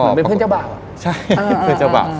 เหมือนเป็นเพื่อนเจ้าบ่าว